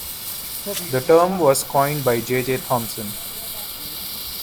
The term was coined by J. J. Thomson.